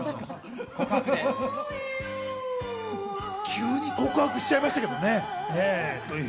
急に告白しちゃいましたけどね。